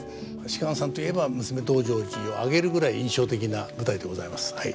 芝さんといえば「娘道成寺」を挙げるぐらい印象的な舞台でございますはい。